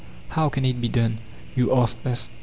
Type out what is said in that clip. How can it be done?" you ask us.